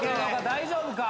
大丈夫か？